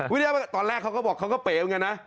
วิทยาประกันภัยตอนแรกเขาก็บอกเขาก็เป๋อย่างนี้นะ